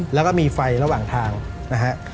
แล้วก็มีไฟระหว่างทางนะฮะ